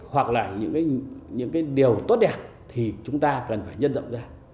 hoặc là những cái điều tốt đẹp thì chúng ta cần phải nhân rộng ra